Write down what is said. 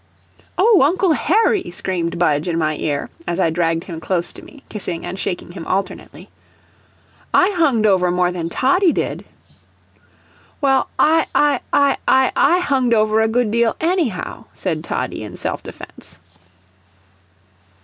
"Oh, Uncle Harry!" screamed Budge in my ear, as I dragged him close to me, kissing and shaking him alternately, "I hunged over more than Toddie did." "Well, I I I I I I I hunged over a good deal, ANY how," said Toddie, in self defense.